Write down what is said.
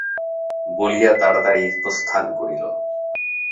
বলিয়া তাড়াতাড়ি প্রস্থান করিল।